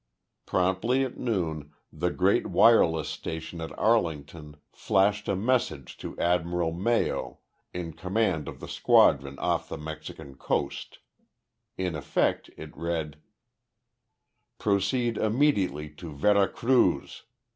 Promptly at noon the great wireless station at Arlington flashed a message to Admiral Mayo, in command of the squadron off the Mexican coast. In effect, it read: Proceed immediately to Vera Cruz.